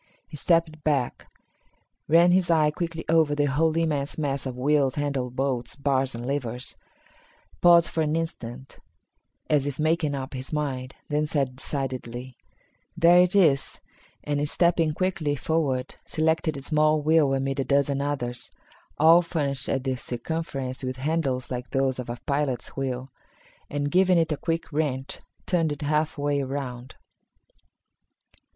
He stepped back, ran his eye quickly over the whole immense mass of wheels, handles, bolts, bars and levers, paused for an instant, as if making up his mind, then said decidedly, "There it is," and, stepping quickly forward, selected a small wheel amid a dozen others, all furnished at the circumference with handles like those of a pilot's wheel, and, giving it a quick wrench, turned it half way around.